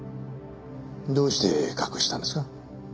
どうして隠したんですか？